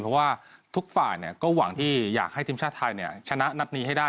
เพราะว่าทุกฝ่ายก็หวังที่อยากให้ทีมชาติไทยชนะนัดนี้ให้ได้